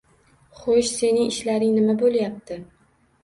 — Xo‘sh, sening ishlaring nima bo‘lyapti?